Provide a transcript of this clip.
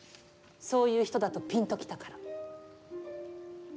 そういう人だとピンと来たから。